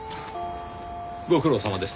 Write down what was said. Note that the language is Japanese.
ご苦労さまです。